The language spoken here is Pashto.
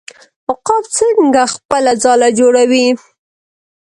عقاب څنګه خپله ځاله جوړوي؟